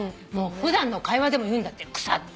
普段の会話でも言うんだって草って。